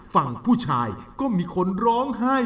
ฝั่งผู้ชายก็มีคนร้องไห้